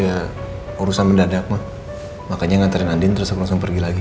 aku tadi ada urusan mendadak mah makanya ngantarin andin terus aku langsung pergi lagi